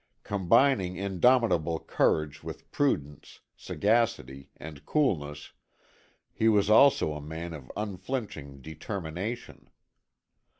Combining indomitable courage with prudence, sagacity and coolness, he was also a man of unflinching determination.